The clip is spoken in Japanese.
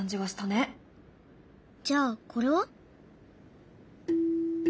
じゃあこれは？